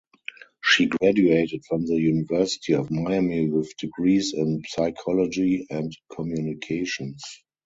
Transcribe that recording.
She graduated from the University of Miami with degrees in psychology and communications.